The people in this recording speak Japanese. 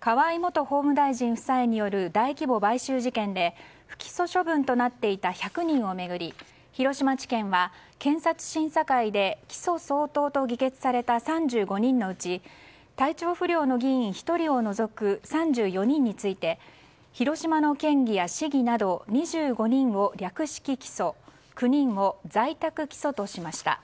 河井元法務大臣夫妻による大規模買収事件で不起訴処分となっていた１００人を巡り、広島地検は検察審査会で起訴相当と議決された３５人のうち体調不良の議員１人を除く３４人について広島の県議や市議など２５人を略式起訴９人を在宅起訴としました。